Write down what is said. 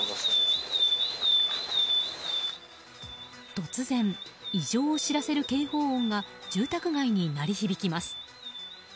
突然、異常を知らせる警報音が住宅街に鳴り響きます。